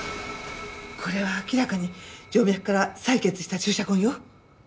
これは明らかに静脈から採血した注射痕よ。